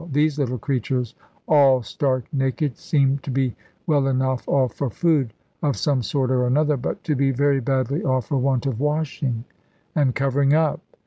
These little creatures, all stark naked, seemed to be well enough off for food, of some sort or another, but to be very badly off for want of washing and covering up.